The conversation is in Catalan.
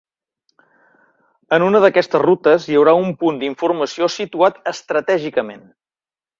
En una d'aquestes rutes hi haurà un punt d'informació situat estratègicament.